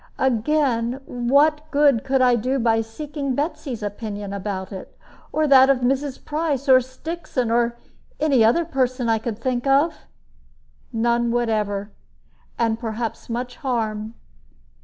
Again, what good could I do by seeking Betsy's opinion about it, or that of Mrs. Price, or Stixon, or any other person I could think of? None whatever and perhaps much harm.